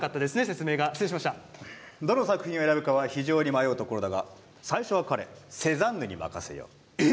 どの作品を選ぶかは非常に迷うところだが最初は彼、セザンヌに任せよう。